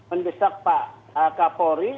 mendesak pak kapolri